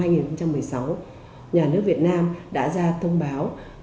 nhà nước việt nam đã ra thông báo